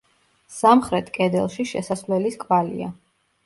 სამხრეთ კედელში შესასვლელის კვალია.